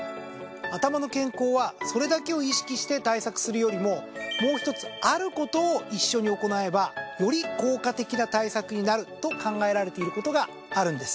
頭の健康はそれだけを意識して対策するよりももう１つあることを一緒に行えばより効果的な対策になると考えられていることがあるんです。